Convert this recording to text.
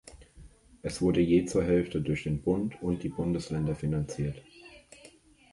Es wurde je zur Hälfte durch den Bund und die Bundesländer finanziert.